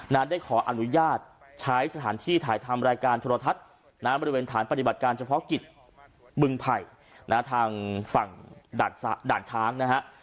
นั้นได้ขออนุญาตใช้สถานที่ถ่ายทำรายการโทรทัศน์บริเวณฐานปฏิบัติการเฉพาะกิจบึงไผ่ทางฝั่งด่านช้างนะฮะ